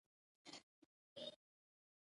آیا د کاناډا تاریخ له سوداګرۍ ډک نه دی؟